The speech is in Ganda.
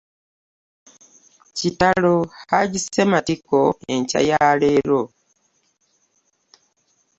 Kitalo! Hajji Ssematiko enkya ya leero!